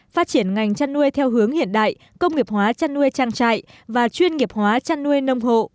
phát triển ngành chăn nuôi theo hướng hiện đại công nghiệp hóa chăn nuôi trang trại và chuyên nghiệp hóa chăn nuôi nông hộ